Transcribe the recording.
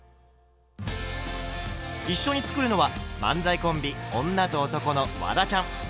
一緒に作るのは漫才コンビ「女と男」のワダちゃん。